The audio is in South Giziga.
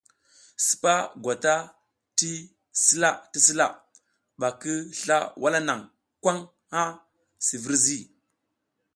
Sipa gwata ti sila ti sila ɓa ki sla wala naŋ kwaŋ ŋha si virzi.